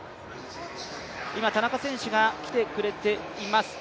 今、田中選手が来てくれています。